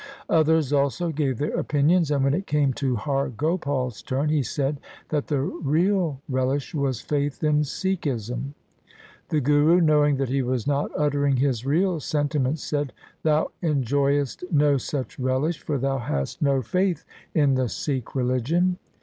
Others also gave their opinions, and when it came to Har Gopal's turn, he said that the real relish was faith in Sikhism. The Guru knowing that he was not uttering his real sentiments, said, 1 Thou enjoyest no such relish, for thou hast no LIFE OF GURU GOBIND SINGH 149 faith in the Sikh religion.'